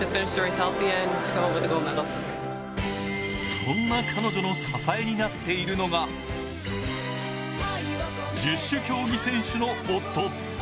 そんな彼女の支えになっているのが十種競技選手の夫。